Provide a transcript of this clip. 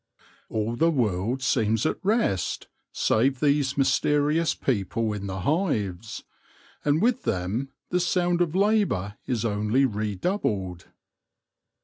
All the world seems at rest, save these mysterious people in the hives ; and with them the sound of labour is only redoubled.